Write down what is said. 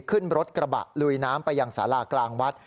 ขึ้นรถกระบะลุยน้ำไปยังสารากลางวัด